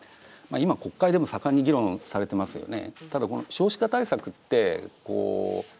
今、国会でも盛んに議論されてますよね。